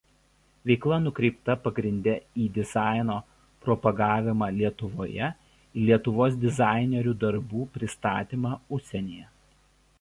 Veikla nukreipta pagrinde į dizaino propagavimą Lietuvoje ir Lietuvos dizainerių darbų pristatymą užsienyje.